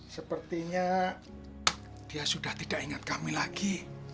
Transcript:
sepertinya dia sudah tidak ingat kami lagi